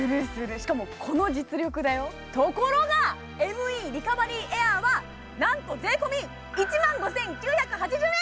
しかもこの実力だよところがＭＥリカバリーエアーはなんと安い！